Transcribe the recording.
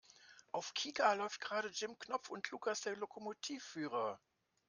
Auf Kika läuft gerade Jim Knopf und Lukas der Lokomotivführer.